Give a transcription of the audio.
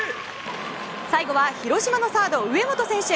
最後は広島のサード、上本選手。